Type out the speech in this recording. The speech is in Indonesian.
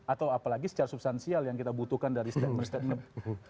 atau apalagi secara substansial yang kita butuhkan dari step by step